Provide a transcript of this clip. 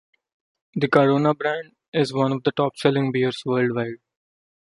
The Corona brand is one of the top-selling beers worldwide.